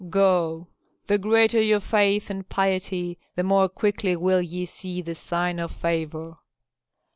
"Go! The greater your faith and piety the more quickly will ye see the sign of favor."